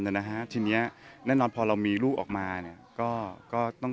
อันนี้เป็นการขอบคุณนิดนึง